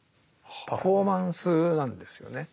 パフォーマンスなんですよね。